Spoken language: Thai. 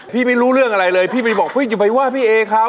ไม่รู้เรื่องอะไรเลยพี่ไปบอกอย่าไปว่าพี่เอเขา